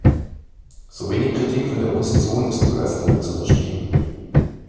So wenig Kritik von der Opposition ist wohl als Lob zu verstehen.